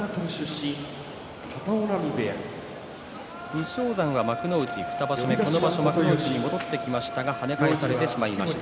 武将山は幕内２場所目この場所、幕内に戻ってきましたが跳ね返されてしまいました。